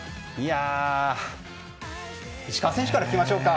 石川選手から聞きましょうか。